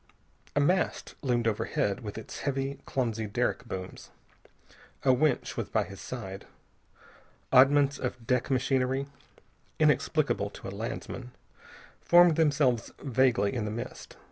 A mast loomed overhead, with its heavy, clumsy derrick booms. A winch was by his side. Oddments of deck machinery, inexplicable to a landsman, formed themselves vaguely in the mist.